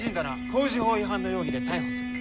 航時法違反の容疑で逮捕する！